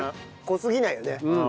濃すぎないよね。